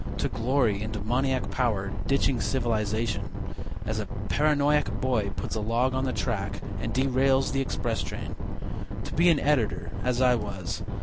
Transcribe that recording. To glory in demoniac power, ditching civilization, As a paranoiac boy puts a log on the track And derails the express train. To be an editor, as I was.